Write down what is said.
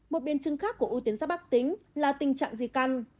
một biến chứng khác của u tiến giáp bác tính là tình trạng di căn